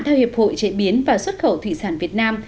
theo hiệp hội chế biến và xuất khẩu thủy sản việt nam